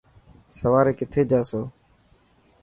سواري ڪٿي جاسو.